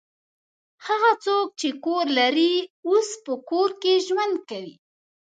هغه څوک چې کور لري اوس په کور کې ژوند کوي.